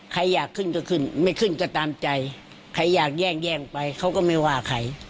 ใครอยากขึ้นก็ขึ้นไม่ขึ้นก็ตามใจใครอยากแย่งแย่งไปเขาก็ไม่ว่าใคร